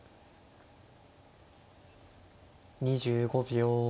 ２５秒。